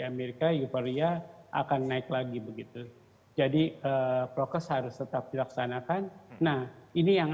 amerika euforia akan naik lagi begitu jadi prokes harus tetap dilaksanakan nah ini yang